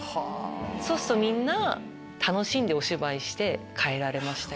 そうするとみんな楽しんでお芝居して帰られましたよね。